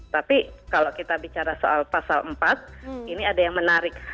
tapi kalau kita bicara soal pasal empat ini ada yang menarik